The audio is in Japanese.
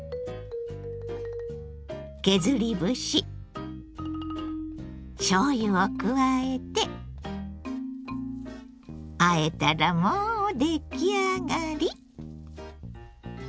削り節しょうゆを加えてあえたらもう出来上がり！